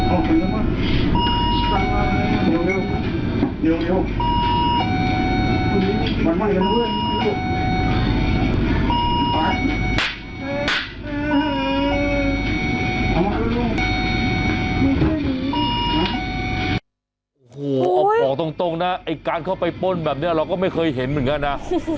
โอ้โหเอาบอกตรงนะไอ้การเข้าไปป้นแบบนี้เราก็ไม่เคยเห็นเหมือนกันนะ